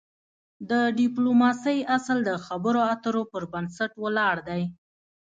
د د ډيپلوماسی اصل د خبرو اترو پر بنسټ ولاړ دی.